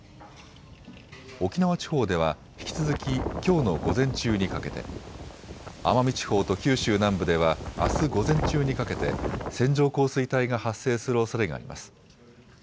沖縄地方では引き続ききょうの午前中にかけて、奄美地方と九州南部ではあす午前中にかけて線状降水帯が発生するおそれがあります。